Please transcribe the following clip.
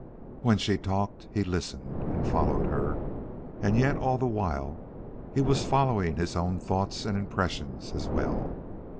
When she talked, he listened and followed her, and yet all the while he was following his own thoughts and impressions as well.